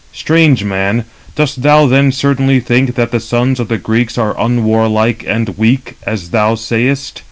Strange man, dost thou then certainly think that the sons of the Greeks are unwarlike and weak, as thou sayest?